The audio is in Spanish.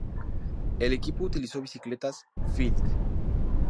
El equipo utilizó bicicletas "Felt".